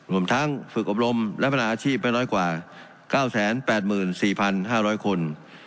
รวมทั้งฝึกอบรมและปัญหาอาชีพไม่น้อยกว่า๙๘๔๕๐๐คน